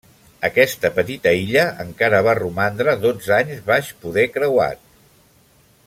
Aquesta petita illa encara va romandre dotze anys baix poder creuat.